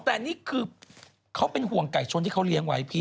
แต่นี่คือเขาเป็นห่วงไก่ชนที่เขาเลี้ยงไว้พี่